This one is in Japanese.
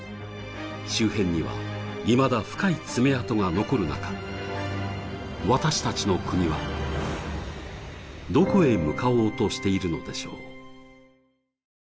周辺には、いまだ深い爪痕が残る中、私たちの国は、どこへ向かおうとしているのでしょう。